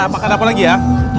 makan apa lagi ya